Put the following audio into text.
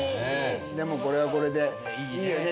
でもこれはこれでいいよね。